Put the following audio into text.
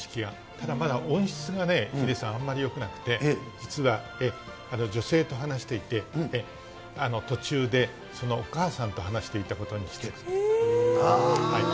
ただ、まだ音質がね、ヒデさん、あまりよくなくて、実は女性と話していて、途中でそのお母さんと話していたことに気付くと。